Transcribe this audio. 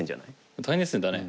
大熱戦だね。